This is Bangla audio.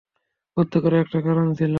প্রত্যেকের একটা কারণ ছিল।